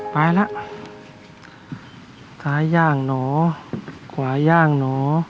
ไปแล้วขาย่างหนอขวาย่างหนอ